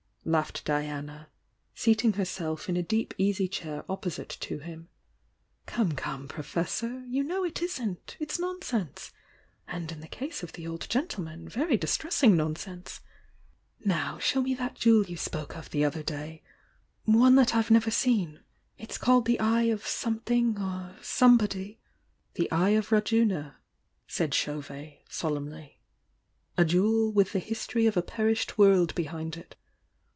laughed Diana, seating her self in a deep easy chair opposite to him. "Come, come, Professor! You know it isn't! It's nonsense! — and in the case of the old gentleman, very dis tressing nonsense! Now, show me thnt jewel you spoke of the other day — one that i ve acver seen — it's called the Eye of something or somebody " "The Eye of Rajuna," said Chauvet, solemnly, "a jewel with the history of a perished world behind it.